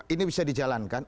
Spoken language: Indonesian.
ini bisa dijalankan